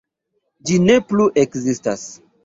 Ĝi ne plu ekzistas.